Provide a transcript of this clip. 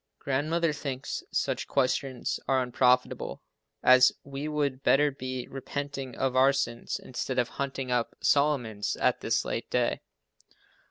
Grandmother thinks such questions are unprofitable, as we would better be repenting of our sins, instead of hunting up Solomon's at this late day.